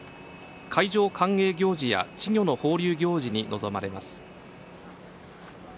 海上歓迎行事や稚魚の放流行事に臨まれます。